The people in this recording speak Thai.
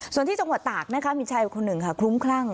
ส่วนที่จังหวัดตากนะคะมีชายคนหนึ่งค่ะคลุ้มคลั่ง